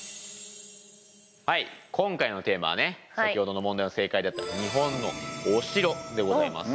はい今回のテーマはね先ほどの問題の正解であった日本のお城でございます。